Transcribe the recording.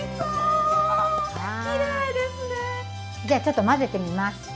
じゃちょっと混ぜてみます。